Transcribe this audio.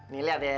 nih liat ya